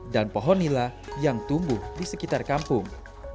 dan pohon lila yang tumbuh di sekitar kampung